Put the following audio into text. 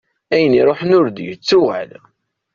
Ayen i iruḥen ur d-yettuɣal.